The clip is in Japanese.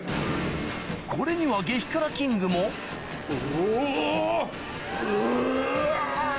これには激辛キングもうお！